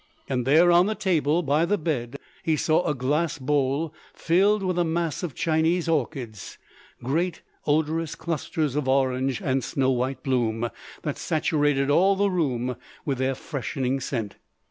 And there on the table by the bed he saw a glass bowl filled with a mass of Chinese orchids—great odorous clusters of orange and snow white bloom that saturated all the room with their freshening scent.